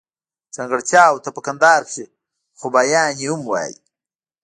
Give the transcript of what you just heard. ځانګړتياوو ته په کندهار کښي خوباياني هم وايي.